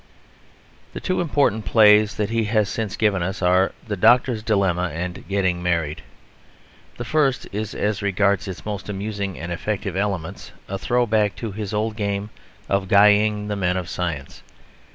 The two important plays that he has since given us are The Doctor's Dilemma and Getting Married. The first is as regards its most amusing and effective elements a throw back to his old game of guying the men of science.